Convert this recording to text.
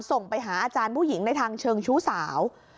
ส่งไปหาอาจารย์ผู้หญิงในทางเชิงชู้สาว